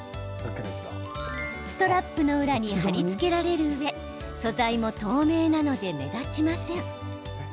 ストラップの裏に貼り付けられるうえ素材も透明なので目立ちません。